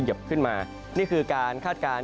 เหยียบขึ้นมานี่คือการคาดการณ์